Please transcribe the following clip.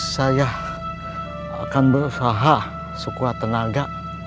saya akan berusaha sekuat tenaga